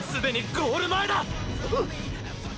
ゴール前！！